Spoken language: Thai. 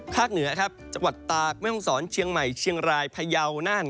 ข้างเหนือจังหวัดตากไม่ต้องสอนเชียงใหม่เชียงรายพยาวน่าน